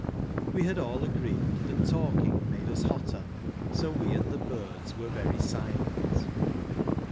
We had all agreed that talking, made us hotter, so we and the birds were very silent.